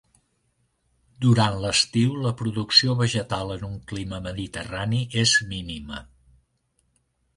Durant l'estiu la producció vegetal en un clima mediterrani és mínima.